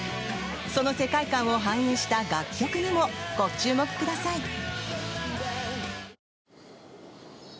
その世界観を反映した楽曲にもご注目ください。